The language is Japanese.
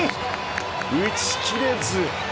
打ち切れず。